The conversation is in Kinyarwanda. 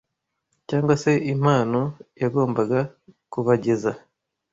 cyangwa se impano yagombaga kubageza